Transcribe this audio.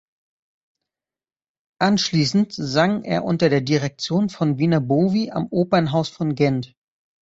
Anschließend sang er unter der Direktion von Vina Bovy am Opernhaus von Gent.